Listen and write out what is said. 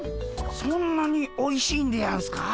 そんなにおいしいんでやんすか？